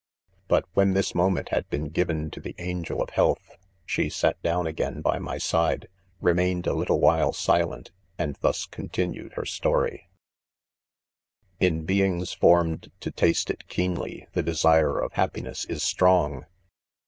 But when this moment had been given to the angel of health, she sat down again by my side, remain ed a little while silent, and thus continued her story ; c In beings formed to taste it keenly, the de sire of happiness; is '■ strong.